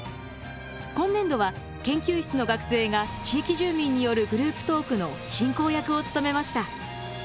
今年度は研究室の学生が地域住民によるグループトークの進行役を務めました。